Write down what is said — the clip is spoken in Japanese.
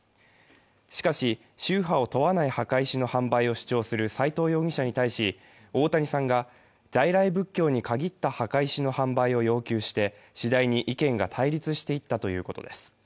しかし、宗派を問わない墓石の販売を主張する斉藤容疑者に対し大谷さんが、在来仏教に限った墓石の販売を要求して、次第に意見が対立していったということです。